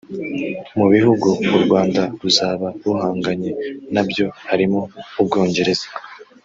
Mu bihugu u Rwanda ruzaba ruhanganye nabyo harimo; u Bwongereza